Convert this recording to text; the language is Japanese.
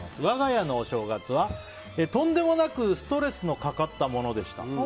我が家のお正月は、とんでもなくストレスのかかったものでした。